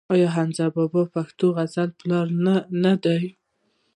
آیا حمزه بابا د پښتو غزل پلار نه دی؟